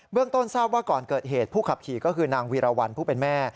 ต้นทราบว่าก่อนเกิดเหตุผู้ขับขี่ก็คือนางวีรวรรณผู้เป็นแม่